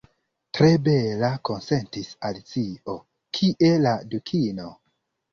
"Tre bela," konsentis Alicio. "Kie la Dukino?"